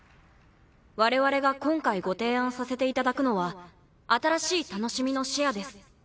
我々が今回ご提案させて頂くのは新しい「楽しみ」のシェアです。